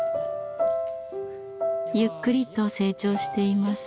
ゆっくりと成長しています。